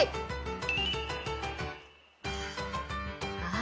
あ。